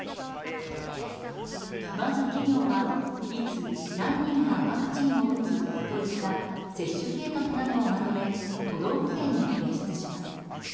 まず企業は、いつ、何人がワクチンを打つといった接種計画などをまとめ都道府県に提出します。